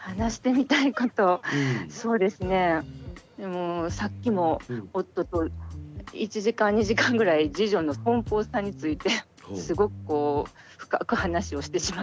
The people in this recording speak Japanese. もうさっきも夫と１時間２時間ぐらい次女の奔放さについてすごくこう深く話をしてしまって。